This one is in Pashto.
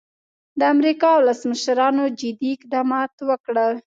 د امریکا ولسمشرانو جدي اقدامات وکړل.